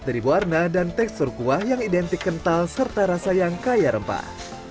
dari warna dan tekstur kuah yang identik kental serta rasa yang kaya rempah